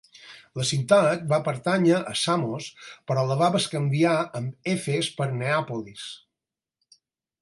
La ciutat va pertànyer a Samos però la va bescanviar amb Efes per Neàpolis.